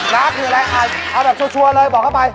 ้าคืออะไรเอาแบบชัวร์เลยบอกเข้าไป